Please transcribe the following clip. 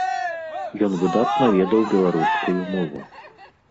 Ён выдатна ведаў беларускую мову.